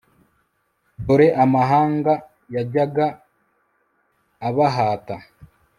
dore amahanga yajyaga abahata